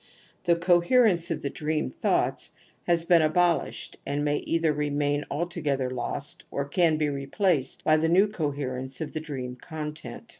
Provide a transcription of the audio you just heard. The coherence of the dream thoughts has been abol ished and may either remain altogether lost or can be replaced by the new coherence of the dream content.